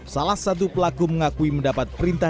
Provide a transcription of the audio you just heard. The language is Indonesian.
salah satu pelaku mengakui mendapat perintah